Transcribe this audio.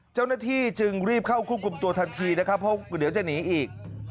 เจ้าหน้าที่จึงรีบเข้าคุกกลุ่มตัวทันทีนะครับเพราะเดี๋ยวจะหนีอีก